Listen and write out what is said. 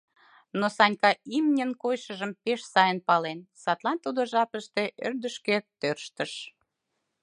Но Санька имньын койышыжым пеш сайын пален, садлан тудо жапыште ӧрдыжкӧ тӧрштыш.